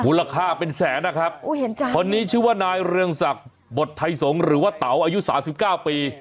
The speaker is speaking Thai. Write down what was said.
มูลค่าเป็นแสนนะครับคนนี้ชื่อนายเรืองศักดิ์บททัยสงศ์หรือว่าเตาอายุ๓๙ปี